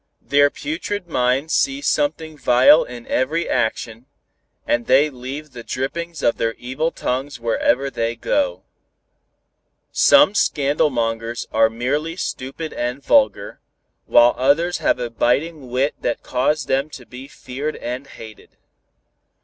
Their putrid minds see something vile in every action, and they leave the drippings of their evil tongues wherever they go. Some scandalmongers are merely stupid and vulgar, while others have a biting wit that cause them to be feared and hated.